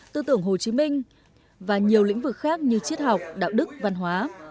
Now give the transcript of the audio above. tư tưởng hồ chí minh và nhiều lĩnh vực khác như triết học đạo đức văn hóa